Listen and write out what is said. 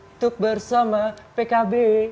untuk bersama pkb